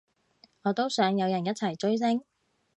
我都想有人一齊追星